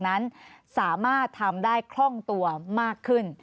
นั้นสามารถทำได้คล่องตัวมากขึ้น